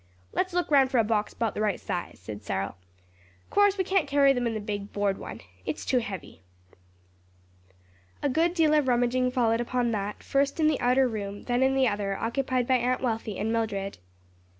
"Let's look round for a box 'bout the right size," said Cyril. "Course we can't carry them in the big board one. It's too heavy." A good deal of rummaging followed upon that; first in the outer room, then in the other, occupied by Aunt Wealthy and Mildred.